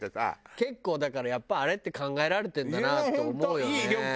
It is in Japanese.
結構だからやっぱあれって考えられてるんだなって思うよね。